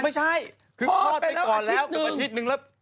ไม่ใช่คือคลอดไปก่อนแล้วคลอดไปแล้วอาทิตย์หนึ่ง